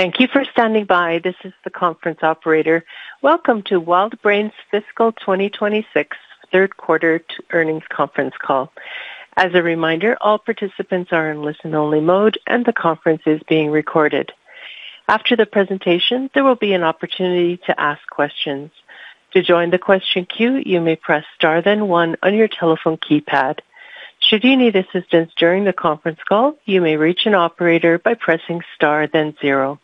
Thank you for standing by. This is the conference operator. Welcome to WildBrain's fiscal 2026 third quarter earnings conference call. As a reminder, all participants are in listen-only mode, and the conference is being recorded. After the presentation, there will be an opportunity to ask questions. To join the question queue, you may press star then one on your telephone keypad. Should you need assistance during the conference call, you may reach an operator by pressing star then zero.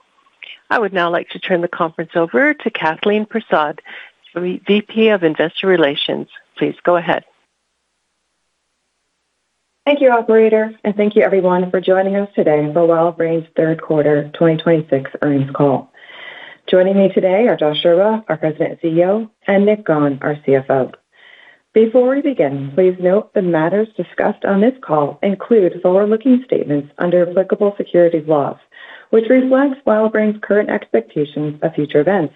I would now like to turn the conference over to Kathleen Persaud, the VP of Investor Relations. Please go ahead. Thank you, operator, and thank you everyone for joining us today for WildBrain's third quarter 2026 earnings call. Joining me today are Josh Scherba, our President and CEO, and Nick Gawne, our CFO. Before we begin, please note the matters discussed on this call include forward-looking statements under applicable securities laws, which reflects WildBrain's current expectations of future events.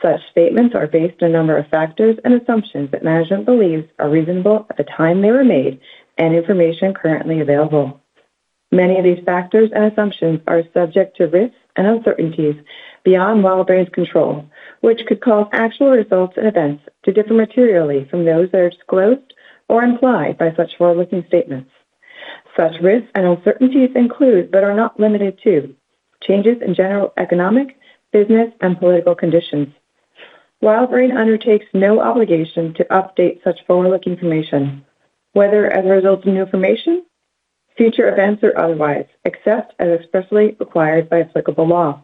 Such statements are based on a number of factors and assumptions that management believes are reasonable at the time they were made and information currently available. Many of these factors and assumptions are subject to risks and uncertainties beyond WildBrain's control, which could cause actual results and events to differ materially from those that are disclosed or implied by such forward-looking statements. Such risks and uncertainties include, but are not limited to, changes in general economic, business, and political conditions. WildBrain undertakes no obligation to update such forward-looking information, whether as a result of new information, future events or otherwise, except as expressly required by applicable law.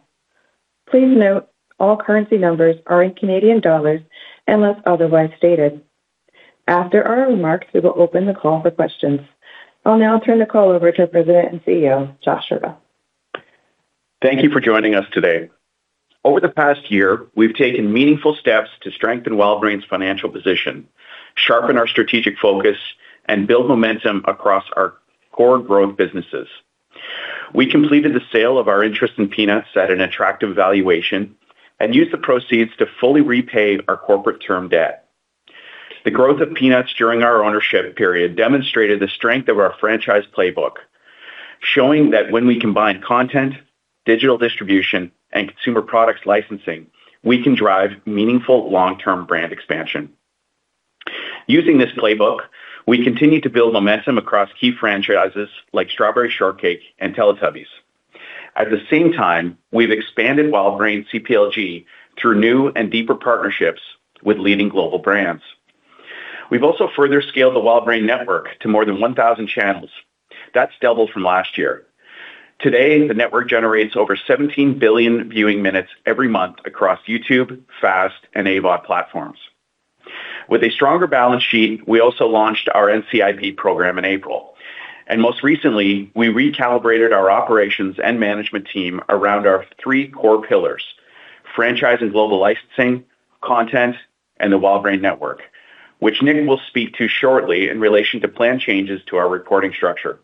Please note all currency numbers are in Canadian dollars unless otherwise stated. After our remarks, we will open the call for questions. I'll now turn the call over to our President and CEO, Josh Scherba. Thank you for joining us today. Over the past year, we've taken meaningful steps to strengthen WildBrain's financial position, sharpen our strategic focus, and build momentum across our core growth businesses. We completed the sale of our interest in Peanuts at an attractive valuation and used the proceeds to fully repay our corporate term debt. The growth of Peanuts during our ownership period demonstrated the strength of our franchise playbook, showing that when we combine content, digital distribution, and consumer products licensing, we can drive meaningful long-term brand expansion. Using this playbook, we continue to build momentum across key franchises like Strawberry Shortcake and Teletubbies. At the same time, we've expanded WildBrain CPLG through new and deeper partnerships with leading global brands. We've also further scaled the WildBrain Network to more than 1,000 channels. That's doubled from last year. Today, the network generates over 17 billion viewing minutes every month across YouTube, FAST, and AVOD platforms. With a stronger balance sheet, we also launched our NCIB program in April. Most recently, we recalibrated our operations and management team around our three core pillars: franchise and global licensing, content, and the WildBrain Network, which Nick will speak to shortly in relation to plan changes to our reporting structure.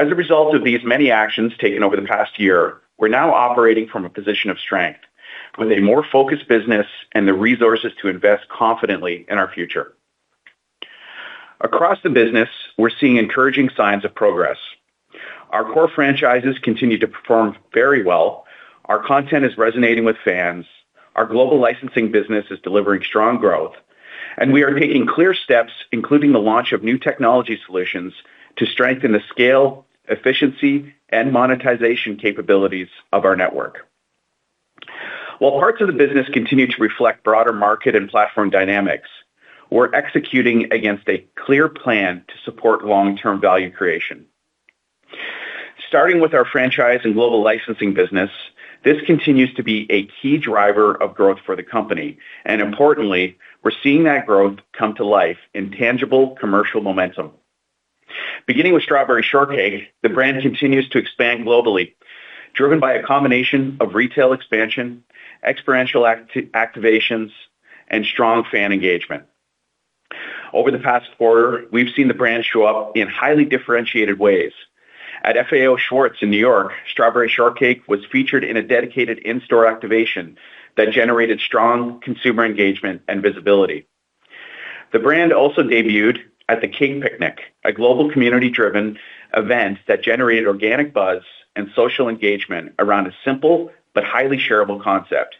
As a result of these many actions taken over the past year, we're now operating from a position of strength with a more focused business and the resources to invest confidently in our future. Across the business, we're seeing encouraging signs of progress. Our core franchises continue to perform very well. Our content is resonating with fans. Our Global Licensing business is delivering strong growth, and we are taking clear steps, including the launch of new technology solutions, to strengthen the scale, efficiency, and monetization capabilities of our network. While parts of the business continue to reflect broader market and platform dynamics, we're executing against a clear plan to support long-term value creation. Starting with our franchise and Global Licensing business, this continues to be a key driver of growth for the company, and importantly, we're seeing that growth come to life in tangible commercial momentum. Beginning with Strawberry Shortcake, the brand continues to expand globally, driven by a combination of retail expansion, experiential activations, and strong fan engagement. Over the past quarter, we've seen the brand show up in highly differentiated ways. At FAO Schwarz in New York, Strawberry Shortcake was featured in a dedicated in-store activation that generated strong consumer engagement and visibility. The brand also debuted at the King's Picnic, a global community-driven event that generated organic buzz and social engagement around a simple but highly shareable concept.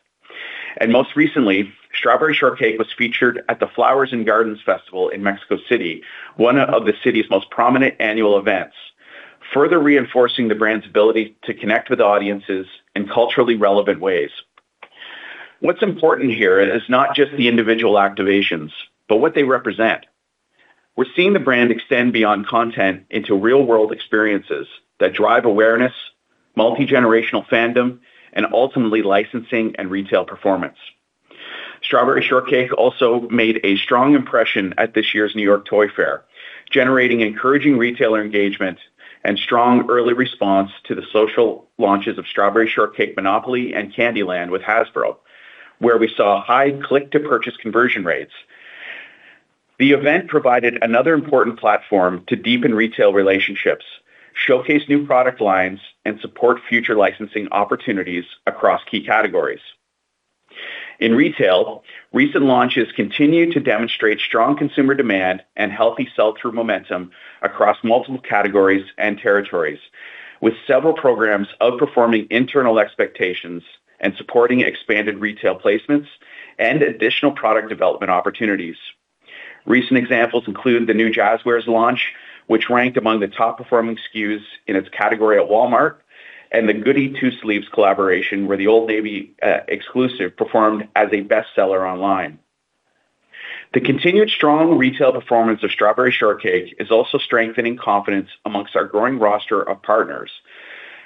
Most recently, Strawberry Shortcake was featured at the Flowers and Garden Festival in Mexico City, one of the city's most prominent annual events, further reinforcing the brand's ability to connect with audiences in culturally relevant ways. What's important here is not just the individual activations but what they represent. We're seeing the brand extend beyond content into real-world experiences that drive awareness, multi-generational fandom, and ultimately licensing and retail performance. Strawberry Shortcake also made a strong impression at this year's New York Toy Fair, generating encouraging retailer engagement and strong early response to the social launches of Strawberry Shortcake Monopoly and Candy Land with Hasbro, where we saw high click-to-purchase conversion rates. The event provided another important platform to deepen retail relationships, showcase new product lines, and support future licensing opportunities across key categories. In retail, recent launches continue to demonstrate strong consumer demand and healthy sell-through momentum across multiple categories and territories, with several programs outperforming internal expectations and supporting expanded retail placements and additional product development opportunities. Recent examples include the new Jazwares launch, which ranked among the top-performing SKUs in its category at Walmart, and the Goodie Two Sleeves collaboration, where the Old Navy exclusive performed as a bestseller online. The continued strong retail performance of Strawberry Shortcake is also strengthening confidence amongst our growing roster of partners,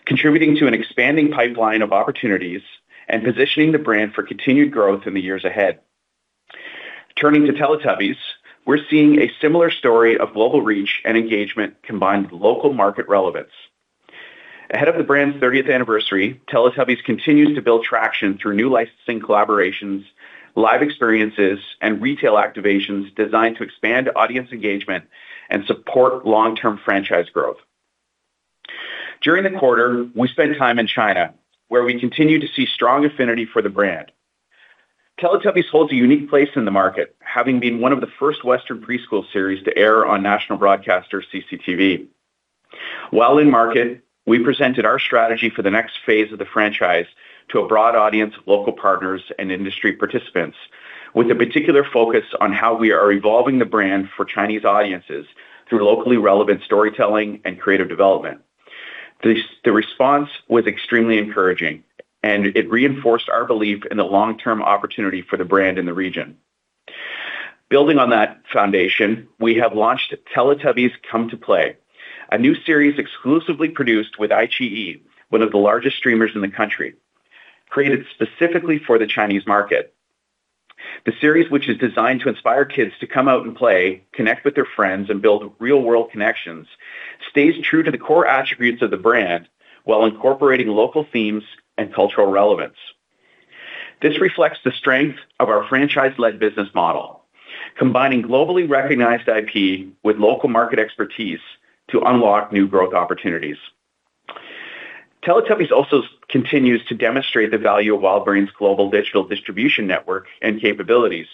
contributing to an expanding pipeline of opportunities and positioning the brand for continued growth in the years ahead. Turning to Teletubbies, we're seeing a similar story of global reach and engagement combined with local market relevance. Ahead of the brand's 30th anniversary, Teletubbies continues to build traction through new licensing collaborations, live experiences, and retail activations designed to expand audience engagement and support long-term franchise growth. During the quarter, we spent time in China, where we continue to see strong affinity for the brand. Teletubbies holds a unique place in the market, having been one of the first Western preschool series to air on national broadcaster CCTV. While in market, we presented our strategy for the next phase of the franchise to a broad audience of local partners and industry participants, with a particular focus on how we are evolving the brand for Chinese audiences through locally relevant storytelling and creative development. The response was extremely encouraging, and it reinforced our belief in the long-term opportunity for the brand in the region. Building on that foundation, we have launched Teletubbies Come to Play, a new series exclusively produced with iQIYI, one of the largest streamers in the country, created specifically for the Chinese market. The series, which is designed to inspire kids to come out and play, connect with their friends, and build real-world connections, stays true to the core attributes of the brand while incorporating local themes and cultural relevance. This reflects the strength of our franchise-led business model, combining globally recognized IP with local market expertise to unlock new growth opportunities. Teletubbies also continues to demonstrate the value of WildBrain's global digital distribution network and capabilities.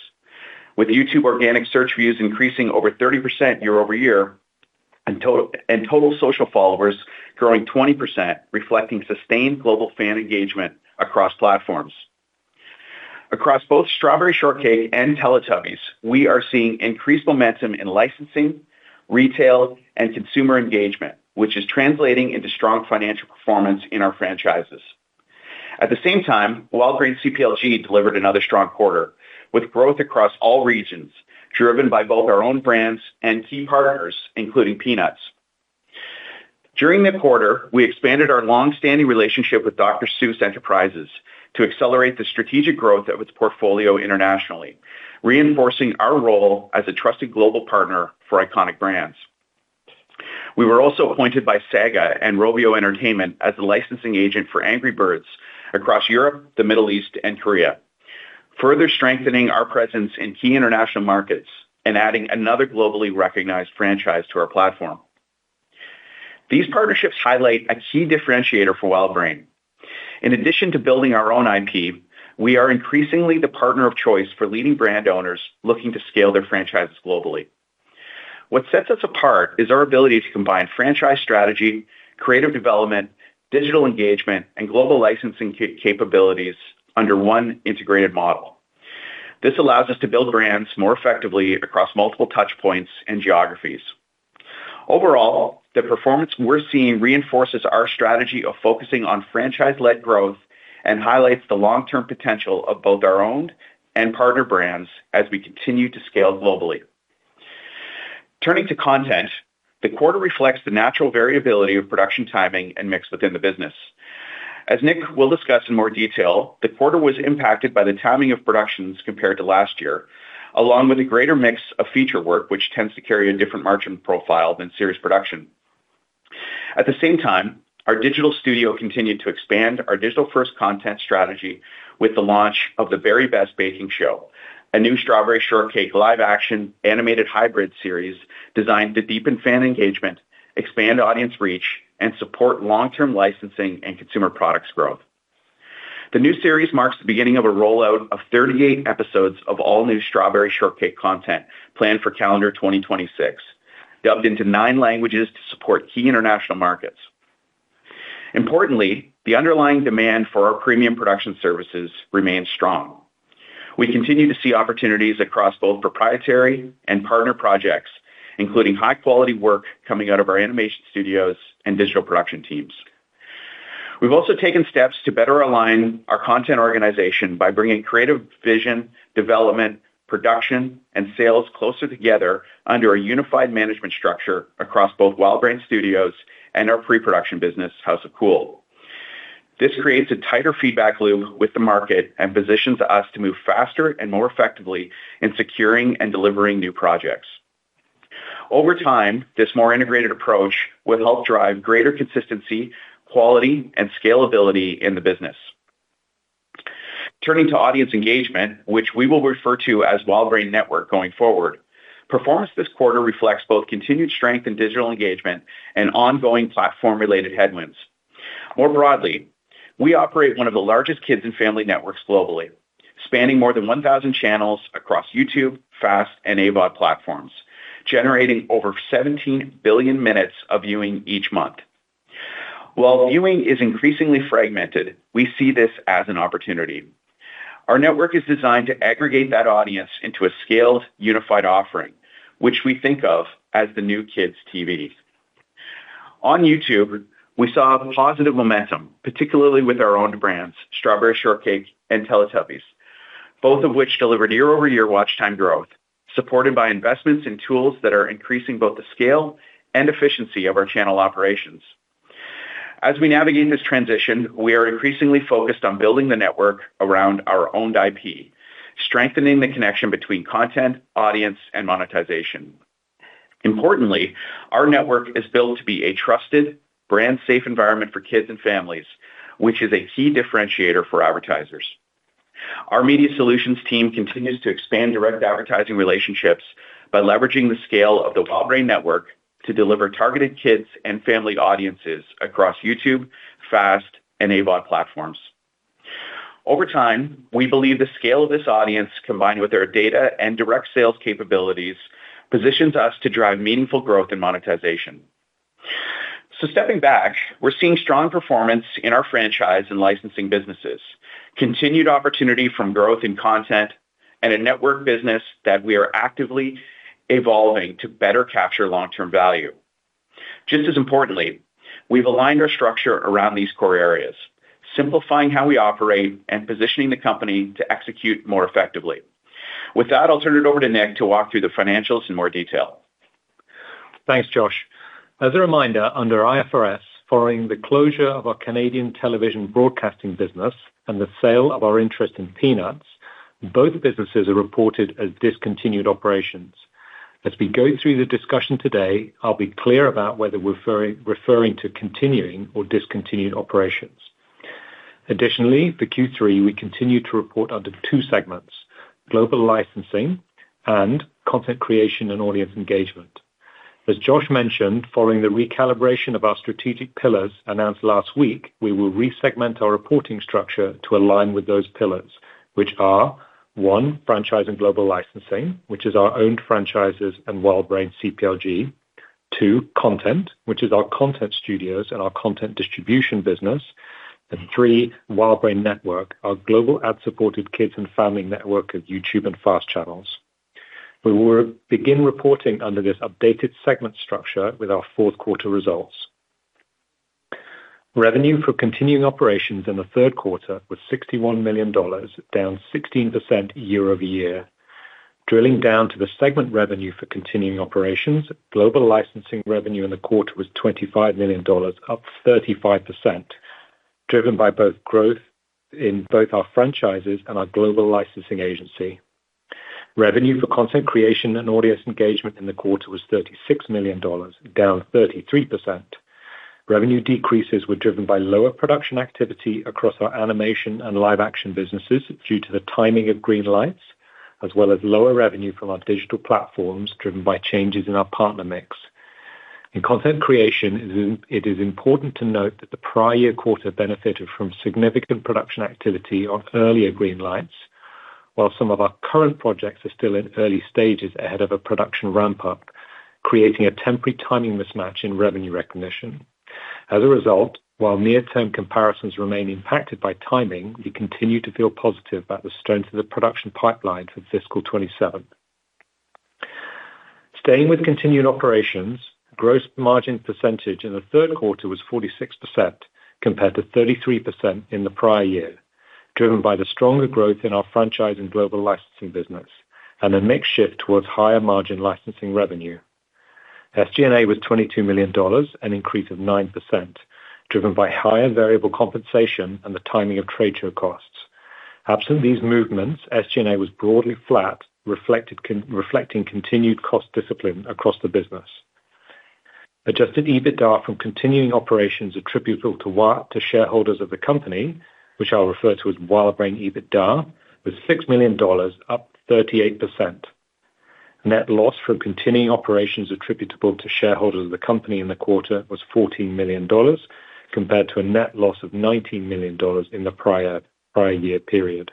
With YouTube organic search views increasing over 30% year-over-year and total social followers growing 20%, reflecting sustained global fan engagement across platforms. Across both Strawberry Shortcake and Teletubbies, we are seeing increased momentum in licensing, retail, and consumer engagement, which is translating into strong financial performance in our franchises. At the same time, WildBrain CPLG delivered another strong quarter, with growth across all regions, driven by both our own brands and key partners, including Peanuts. During the quarter, we expanded our long-standing relationship with Dr. Seuss Enterprises to accelerate the strategic growth of its portfolio internationally, reinforcing our role as a trusted global partner for iconic brands. We were also appointed by Sega and Rovio Entertainment as the licensing agent for Angry Birds across Europe, the Middle East, and Korea, further strengthening our presence in key international markets and adding another globally recognized franchise to our platform. These partnerships highlight a key differentiator for WildBrain. In addition to building our own IP, we are increasingly the partner of choice for leading brand owners looking to scale their franchises globally. What sets us apart is our ability to combine franchise strategy, creative development, digital engagement, and global licensing capabilities under one integrated model. This allows us to build brands more effectively across multiple touchpoints and geographies. Overall, the performance we're seeing reinforces our strategy of focusing on franchise-led growth and highlights the long-term potential of both our own and partner brands as we continue to scale globally. Turning to content, the quarter reflects the natural variability of production timing and mix within the business. As Nick will discuss in more detail, the quarter was impacted by the timing of productions compared to last year, along with a greater mix of feature work, which tends to carry a different margin profile than series production. At the same time, our digital studio continued to expand our digital-first content strategy with the launch of The Berry Best Baking Show, a new Strawberry Shortcake live-action animated hybrid series designed to deepen fan engagement, expand audience reach, and support long-term licensing and consumer products growth. The new series marks the beginning of a rollout of 38 episodes of all-new Strawberry Shortcake content planned for calendar 2026, dubbed into nine languages to support key international markets. Importantly, the underlying demand for our premium production services remains strong. We continue to see opportunities across both proprietary and partner projects, including high-quality work coming out of our animation studios and digital production teams. We've also taken steps to better align our content organization by bringing creative vision, development, production, and sales closer together under a unified management structure across both WildBrain Studios and our pre-production business, House of Cool. This creates a tighter feedback loop with the market and positions us to move faster and more effectively in securing and delivering new projects. Over time, this more integrated approach will help drive greater consistency, quality, and scalability in the business. Turning to audience engagement, which we will refer to as WildBrain Network going forward, performance this quarter reflects both continued strength in digital engagement and ongoing platform-related headwinds. More broadly, we operate one of the largest kids and family networks globally, spanning more than 1,000 channels across YouTube, FAST, and AVOD platforms, generating over 17 billion minutes of viewing each month. While viewing is increasingly fragmented, we see this as an opportunity. Our network is designed to aggregate that audience into a scaled, unified offering, which we think of as the new kids' TV. On YouTube, we saw positive momentum, particularly with our own brands, Strawberry Shortcake and Teletubbies, both of which delivered year-over-year watch time growth, supported by investments in tools that are increasing both the scale and efficiency of our channel operations. As we navigate this transition, we are increasingly focused on building the network around our owned IP, strengthening the connection between content, audience, and monetization. Importantly, our network is built to be a trusted brand-safe environment for kids and families, which is a key differentiator for advertisers. Our media solutions team continues to expand direct advertising relationships by leveraging the scale of the WildBrain Network to deliver targeted kids and family audiences across YouTube, FAST, and AVOD platforms. Over time, we believe the scale of this audience, combined with our data and direct sales capabilities, positions us to drive meaningful growth and monetization. Stepping back, we're seeing strong performance in our franchise and licensing businesses, continued opportunity from growth in content and a WildBrain Network business that we are actively evolving to better capture long-term value. Just as importantly, we've aligned our structure around these core areas, simplifying how we operate and positioning the company to execute more effectively. With that, I'll turn it over to Nick to walk through the financials in more detail. Thanks, Josh. As a reminder, under IFRS, following the closure of our Canadian television broadcasting business and the sale of our interest in Peanuts, both businesses are reported as discontinued operations. As we go through the discussion today, I'll be clear about whether we're referring to continuing or discontinued operations. Additionally, for Q3, we continue to report under two segments: Global Licensing and Content Creation and Audience Engagement. As Josh mentioned, following the recalibration of our strategic pillars announced last week, we will re-segment our reporting structure to align with those pillars, which are, one, Franchise and Global Licensing, which is our owned franchises and WildBrain CPLG. Two, Content, which is our content studios and our content distribution business. Three, WildBrain Network, our global ad-supported kids and family network of YouTube and FAST channels. We will begin reporting under this updated segment structure with our fourth quarter results. Revenue for continuing operations in the third quarter was 61 million dollars, down 16% year-over-year. Drilling down to the segment revenue for continuing operations, Global Licensing revenue in the quarter was 25 million dollars, up 35%, driven by both growth in both our franchises and our Global Licensing agency. Revenue for Content Creation and Audience Engagement in the quarter was 36 million dollars, down 33%. Revenue decreases were driven by lower production activity across our animation and live action businesses due to the timing of greenlights, as well as lower revenue from our digital platforms, driven by changes in our partner mix. In Content Creation, it is important to note that the prior year quarter benefited from significant production activity on earlier greenlights, while some of our current projects are still in early stages ahead of a production ramp-up, creating a temporary timing mismatch in revenue recognition. While near-term comparisons remain impacted by timing, we continue to feel positive about the strength of the production pipeline for fiscal 2027. Staying with continuing operations, gross margin percentage in the third quarter was 46% compared to 33% in the prior year, driven by the stronger growth in our Franchise and Global Licensing business and a mix shift towards higher margin licensing revenue. SG&A was 22 million dollars, an increase of 9%, driven by higher variable compensation and the timing of trade show costs. Absent these movements, SG&A was broadly flat, reflecting continued cost discipline across the business. Adjusted EBITDA from continuing operations attributable to shareholders of the company, which I'll refer to as WildBrain EBITDA, was 6 million dollars, up 38%. Net loss from continuing operations attributable to shareholders of the company in the quarter was 14 million dollars, compared to a net loss of 19 million dollars in the prior year period.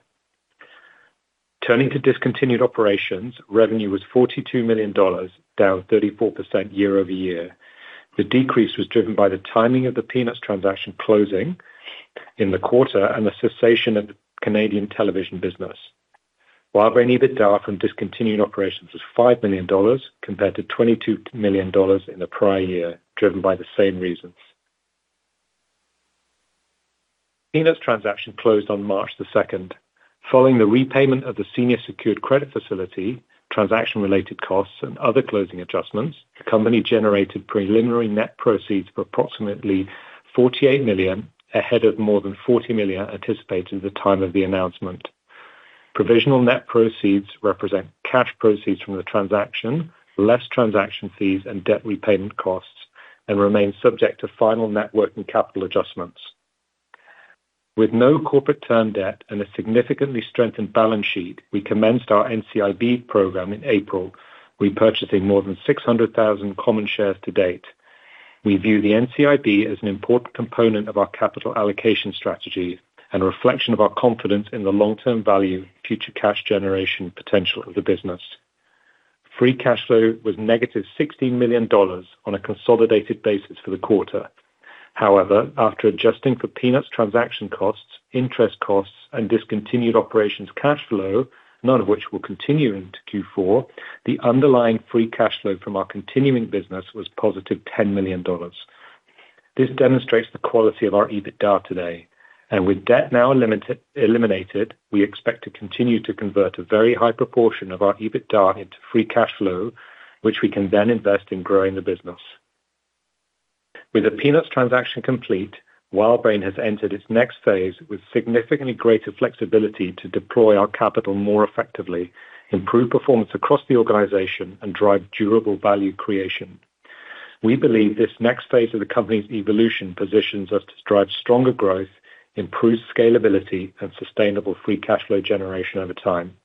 Turning to discontinued operations, revenue was 42 million dollars, down 34% year-over-year. The decrease was driven by the timing of the Peanuts transaction closing in the quarter and the cessation of the Canadian television business. WildBrain EBITDA from discontinued operations was 5 million dollars compared to 22 million dollars in the prior year, driven by the same reasons. Peanuts transaction closed on March the second. Following the repayment of the senior secured credit facility, transaction-related costs, and other closing adjustments, the company generated preliminary net proceeds of approximately 48 million, ahead of more than 40 million anticipated at the time of the announcement. Provisional net proceeds represent cash proceeds from the transaction, less transaction fees and debt repayment costs, and remain subject to final network and capital adjustments. With no corporate term debt and a significantly strengthened balance sheet, we commenced our NCIB program in April, repurchasing more than 600,000 common shares to date. We view the NCIB as an important component of our capital allocation strategy and a reflection of our confidence in the long-term value future cash generation potential of the business. Free cash flow was -60 million dollars on a consolidated basis for the quarter. After adjusting for Peanuts transaction costs, interest costs, and discontinued operations cash flow, none of which will continue into Q4, the underlying free cash flow from our continuing business was +10 million dollars. This demonstrates the quality of our EBITDA today. With debt now eliminated, we expect to continue to convert a very high proportion of our EBITDA into free cash flow, which we can then invest in growing the business. With the Peanuts transaction complete, WildBrain has entered its next phase with significantly greater flexibility to deploy our capital more effectively, improve performance across the organization, and drive durable value creation. We believe this next phase of the company's evolution positions us to drive stronger growth, improve scalability, and sustainable free cash flow generation over time.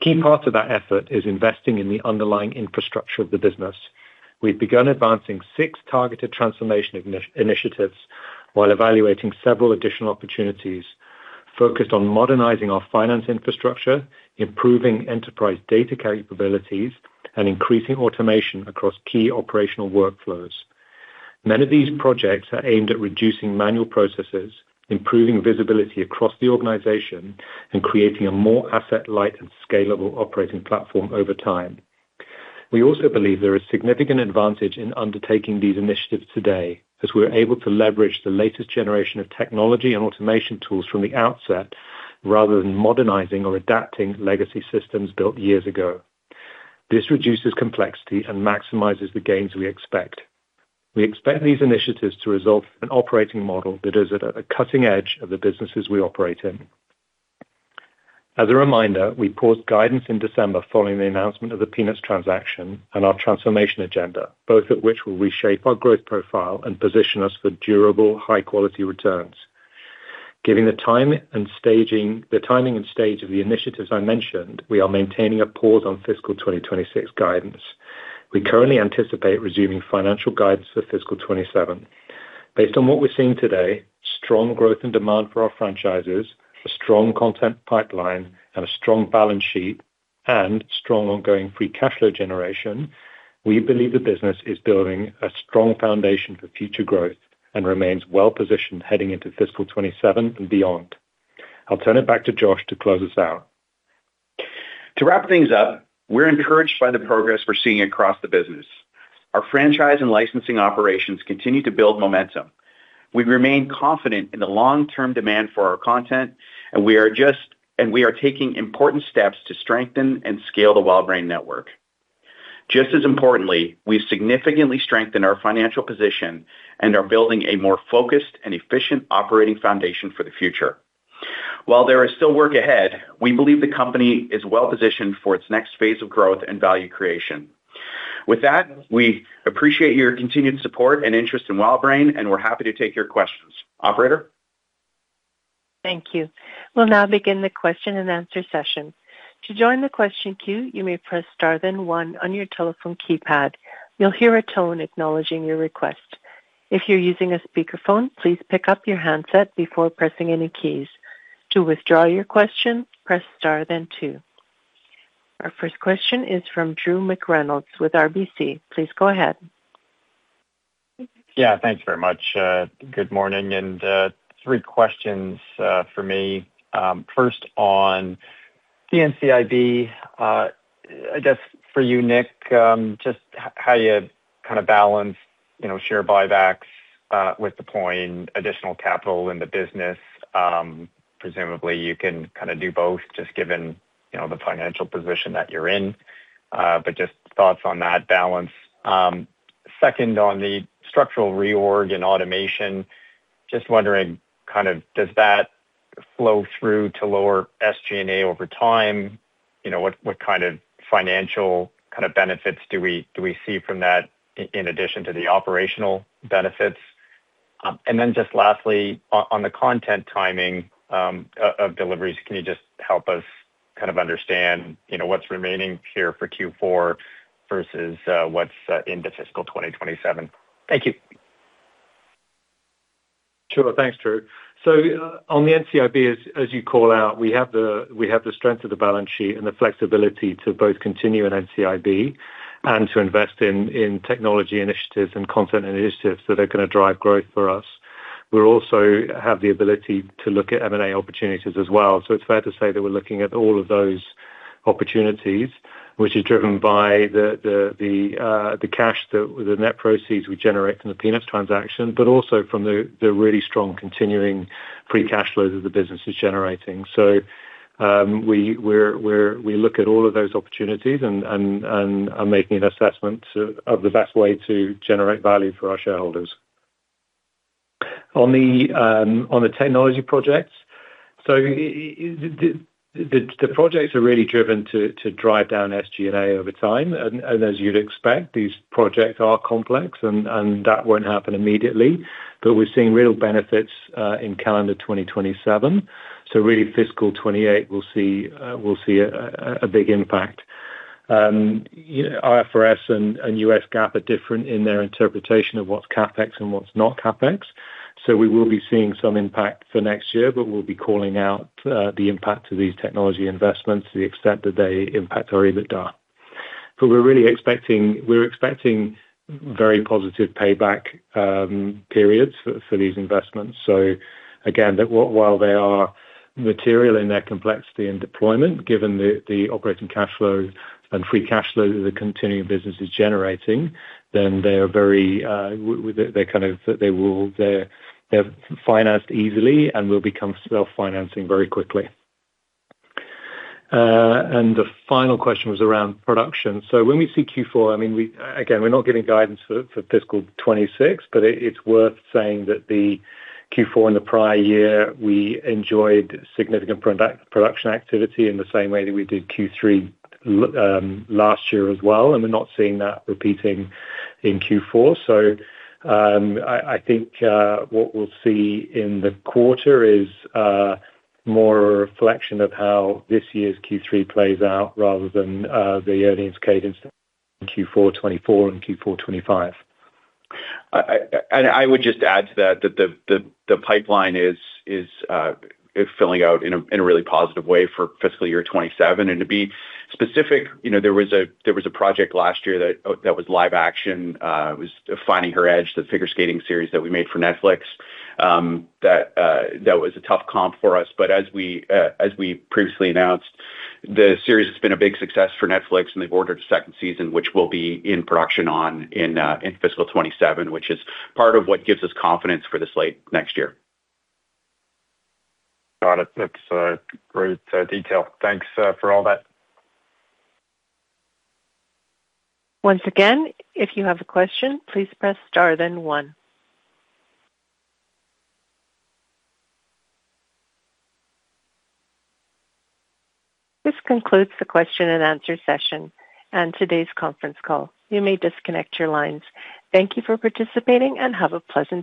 Key parts of that effort is investing in the underlying infrastructure of the business. We've begun advancing six targeted transformation initiatives while evaluating several additional opportunities focused on modernizing our finance infrastructure, improving enterprise data capabilities, and increasing automation across key operational workflows. Many of these projects are aimed at reducing manual processes, improving visibility across the organization, and creating a more asset-light and scalable operating platform over time. We also believe there is significant advantage in undertaking these initiatives today, as we're able to leverage the latest generation of technology and automation tools from the outset rather than modernizing or adapting legacy systems built years ago. This reduces complexity and maximizes the gains we expect. We expect these initiatives to result in an operating model that is at a cutting edge of the businesses we operate in. As a reminder, we paused guidance in December following the announcement of the Peanuts transaction and our transformation agenda, both of which will reshape our growth profile and position us for durable, high quality returns. Given the timing and stage of the initiatives I mentioned, we are maintaining a pause on fiscal 2026 guidance. We currently anticipate resuming financial guidance for fiscal 2027. Based on what we're seeing today, strong growth and demand for our franchises, a strong content pipeline and a strong balance sheet and strong ongoing free cash flow generation, we believe the business is building a strong foundation for future growth and remains well-positioned heading into fiscal 2027 and beyond. I'll turn it back to Josh to close us out. To wrap things up, we're encouraged by the progress we're seeing across the business. Our franchise and licensing operations continue to build momentum. We remain confident in the long-term demand for our content, and we are taking important steps to strengthen and scale the WildBrain Network. Just as importantly, we've significantly strengthened our financial position and are building a more focused and efficient operating foundation for the future. While there is still work ahead, we believe the company is well-positioned for its next phase of growth and value creation. With that, we appreciate your continued support and interest in WildBrain, and we're happy to take your questions. Operator? Thank you. We'll now begin the question-and-answer session. To join the question queue, you may press star then one on your telephone keypad. You'll hear a tone acknowledging your request. If you're using a speakerphone, please pick up your handset before pressing any keys. To withdraw your question, press star then two. Our first question is from Drew McReynolds with RBC. Please go ahead. Yeah, thanks very much. Good morning, three questions for me. First on the NCIB, just for you, Nick, just how you kind of balance, you know, share buybacks with deploying additional capital in the business. Presumably, you can kind of do both just given, you know, the financial position that you're in, but just thoughts on that balance. Second, on the structural reorg and automation, just wondering kind of does that flow through to lower SG&A over time? You know, what kind of financial kind of benefits do we see from that in addition to the operational benefits? Lastly, on the content timing of deliveries, can you just help us kind of understand, you know, what's remaining here for Q4 versus what's in the fiscal 2027? Thank you. Sure. Thanks, Drew. On the NCIB, as you call out, we have the strength of the balance sheet and the flexibility to both continue in NCIB and to invest in technology initiatives and content initiatives that are gonna drive growth for us. We also have the ability to look at M&A opportunities as well. It's fair to say that we're looking at all of those opportunities, which is driven by the cash, the net proceeds we generate from the Peanuts transaction, but also from the really strong continuing free cash flows that the business is generating. We look at all of those opportunities and are making an assessment of the best way to generate value for our shareholders. On the technology projects, the projects are really driven to drive down SG&A over time. As you'd expect, these projects are complex and that won't happen immediately. We're seeing real benefits in calendar 2027. Really fiscal 2028, we'll see a big impact. You know, IFRS and U.S. GAAP are different in their interpretation of what's CapEx and what's not CapEx. We will be seeing some impact for next year, but we'll be calling out the impact of these technology investments to the extent that they impact our EBITDA. We're expecting very positive payback periods for these investments. Again, that while they are material in their complexity and deployment, given the operating cash flows and free cash flows that the continuing business is generating, then they are very, they kind of they will They've financed easily and will become self-financing very quickly. The final question was around production. When we see Q4, I mean, again, we're not giving guidance for fiscal 2026, but it's worth saying that the Q4 in the prior year, we enjoyed significant production activity in the same way that we did Q3 last year as well, and we're not seeing that repeating in Q4. I think, what we'll see in the quarter is, more a reflection of how this year's Q3 plays out rather than, the earnings cadence in Q4 2024 and Q4 2025. I would just add to that the pipeline is filling out in a really positive way for fiscal year 2027. To be specific, you know, there was a project last year that was live action, it was Finding Her Edge, the figure skating series that we made for Netflix, that was a tough comp for us. As we previously announced, the series has been a big success for Netflix, and they've ordered a second season, which will be in production in fiscal 2027, which is part of what gives us confidence for the slate next year. Got it. That's great detail. Thanks for all that. Once again, if you have a question, please press star then one. This concludes the question and answer session and today's conference call. You may disconnect your lines. Thank you for participating, and have a pleasant day.